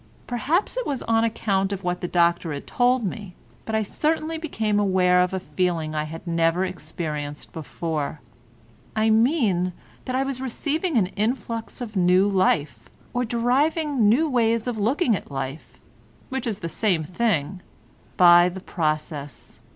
Perhaps it was on account of what the doctor had told me, but I certainly became aware of a feeling I had never experienced before. I mean that I was receiving an influx of new life, or deriving new ways of looking at life—which is the same thing—by the process.